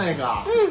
うん。